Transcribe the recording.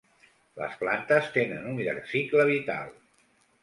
Les plantes tenen un llarg cicle vital.